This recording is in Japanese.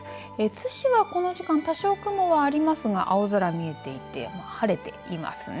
津市はこの時間多少雲はありますが青空見えていて晴れていますね。